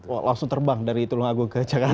wah langsung terbang dari tulungagung ke jakarta